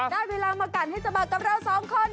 ได้เวลามากัดให้สะบัดกับเราสองคน